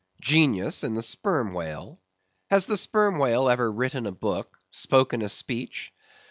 Genius in the Sperm Whale? Has the Sperm Whale ever written a book, spoken a speech?